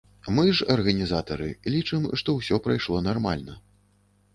Мы ж, арганізатары, лічым, што ўсё прайшло нармальна.